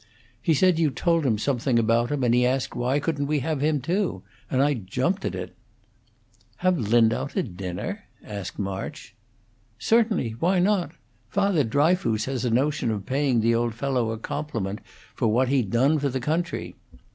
He said you told him something about him, and he asked why couldn't we have him, too; and I jumped at it." "Have Lindau to dinner?" asked March. "Certainly; why not? Father Dryfoos has a notion of paying the old fellow a compliment for what he done for the country.